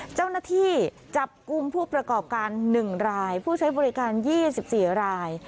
เจ้าหน้าที่จับกลุ่มผู้ประกอบการ๑รายผู้ใช้บริการ๒๔ราย